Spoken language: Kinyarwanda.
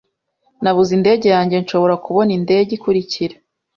Nabuze indege yanjye. Nshobora kubona indege ikurikira?